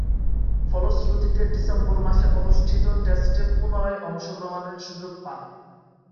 ফলশ্রুতিতে ডিসেম্বর মাসে অনুষ্ঠিত টেস্টে পুনরায় অংশগ্রহণের সুযোগ পান।